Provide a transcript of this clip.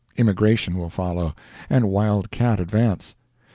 Immigration will follow, and wild cat advance.